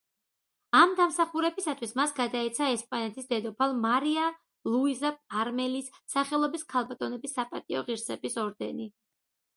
ამ დამსახურებისათვის მას გადაეცა ესპანეთის დედოფალ მარია ლუიზა პარმელის სახელობის ქალბატონების საპატიო ღირსების ორდენი.